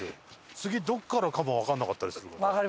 次どこからかもわかんなかったりするから。